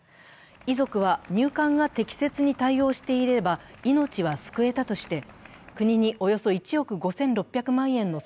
遺族は、入管が適切に対応していれば命は救えたとして、国におよそ１億５６００万円の